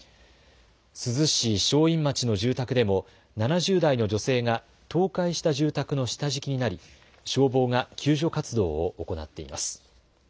珠洲市正院町の住宅でも７０代の女性が倒壊した住宅の下敷きになり消防が救助活動を行っています。